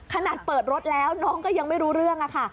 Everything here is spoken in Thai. ขนาดเปิดรถแล้วน้องก็ยังไม่รู้เรื่องค่ะ